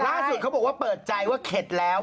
แต่ล่าสุดเค้าบอกว่าเปิดใจว่าเข็ดแล้ว